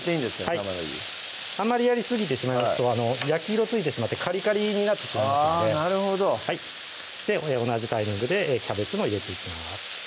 玉ねぎあまりやりすぎてしまいますと焼き色ついてしまってカリカリになってしまいますのでなるほど同じタイミングでキャベツも入れていきます